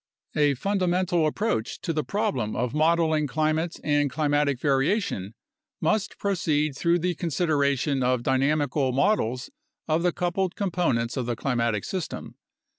A fundamental approach to the problem of modeling climate and climatic variation must proceed through the consideration of dynamical models of the coupled components of the climatic system.